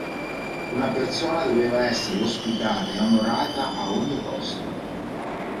Una persona doveva essere ospitata e onorata a ogni costo.